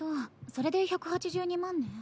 それで１８２万ね。